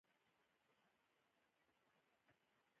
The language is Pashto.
د وخت په تېرېدو سره د کرنیزو محصولاتو مارکېټ ټکنی شو.